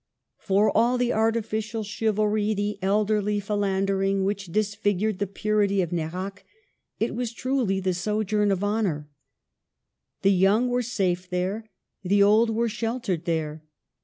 For all the artificial chivalry, the elderly philan dering, which disfigured the purity of Nerac, it was truly the *' sojourn of honor." The young were safe there, the old were sheltered there.